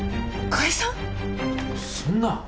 そんな。